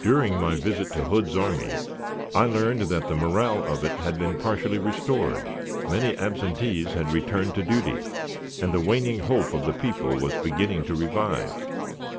During my visit to Hood's army, I learned that the morale of it had been partially restored, many absentees had returned to duty, and the waning hope of the people was beginning to revive.